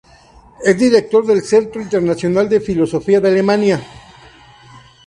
Es director del Centro Internacional de Filosofía de Alemania.